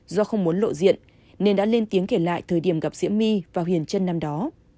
do không muốn lộ diện nên đã lên tiếng kể lại thời điểm gặp diễm my và huyền trân năm đó